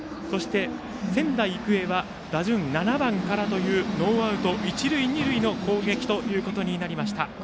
仙台育英は打順７番からというノーアウト、一塁二塁の攻撃となります。